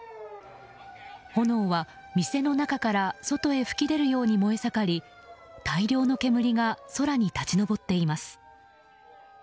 炎は店の中から外に噴き出るように燃え盛り、大量の煙が空に立ち上っています。